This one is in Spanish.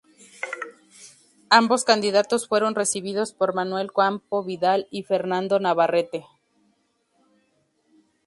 Ambos candidatos fueron recibidos por Manuel Campo Vidal y Fernando Navarrete.